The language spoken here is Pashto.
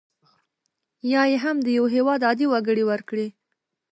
یا یې هم د یو هیواد عادي وګړي ورکړي.